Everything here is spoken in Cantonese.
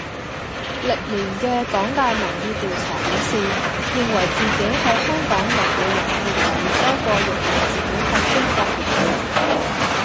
歷年嘅港大民意調查顯示，認為自己係香港人嘅人越來越多過認同自己係中國人嘅人。